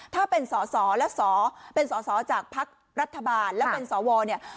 ถ้าเป็นสอสอและสอเป็นสอสอจากภักดิ์รัฐบาลแล้วเป็นสวเนี่ย